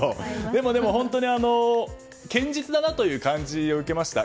でも、本当に堅実だなという感じを受けました。